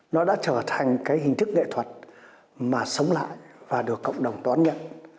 nó đã trở thành cái hình thức nghệ thuật mà sống lại và được cộng đồng đón nhận